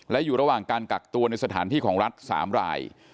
และอยู่ระหว่างการกักตัวในสถานที่ของรัฐ๓ราย